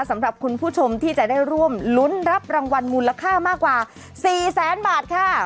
สำหรับคุณผู้ชมที่จะได้ร่วมลุ้นรับรางวัลมูลค่ามากกว่า๔แสนบาทค่ะ